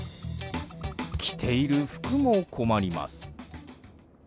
着ている服も困ります。